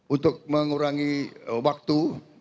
untuk mengurangi waktu